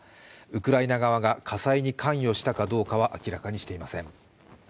ウクライナ側が火災に関与したかどうかは明らかにしていません。